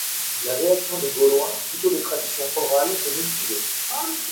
La réaction des Gaulois, plutôt de tradition orale, est mitigée...